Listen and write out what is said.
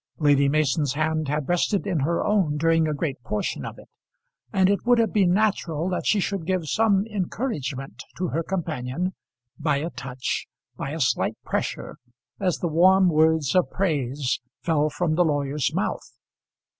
Lady Mason's hand had rested in her own during a great portion of it; and it would have been natural that she should give some encouragement to her companion by a touch, by a slight pressure, as the warm words of praise fell from the lawyer's mouth.